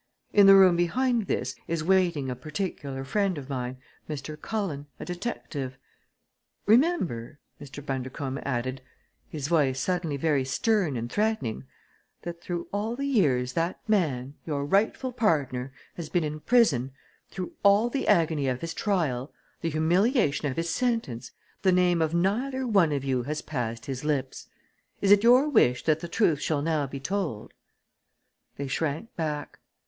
In the room behind this is waiting a particular friend of mine Mr. Cullen, a detective. "Remember," Mr. Bundercombe added, his voice suddenly very stern and threatening, "that through all the years that man your rightful partner has been in prison, through all the agony of his trial, the humiliation of his sentence, the name of neither one of you has passed his lips! Is it your wish that the truth shall now be told?" They shrank back.